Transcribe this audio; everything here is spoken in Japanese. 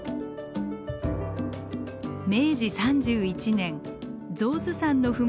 明治３１年象頭山の麓